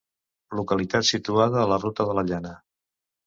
Localitat situada a la Ruta de la Llana.